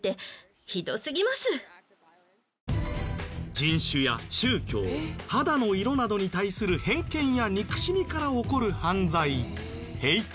人種や宗教肌の色などに対する偏見や憎しみから起こる犯罪ヘイト